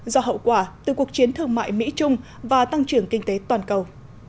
do hậu quả từ cuộc chiến thương mại mỹ trung và tăng trưởng kinh tế toàn cầu